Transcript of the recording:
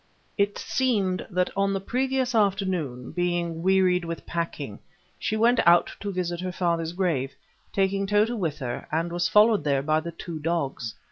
It seemed that on the previous afternoon, being wearied with packing, she went out to visit her father's grave, taking Tota with her, and was followed there by the two dogs.